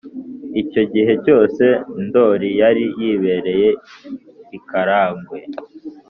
icyo gihe cyose ndoli yari yibereye i karagwe,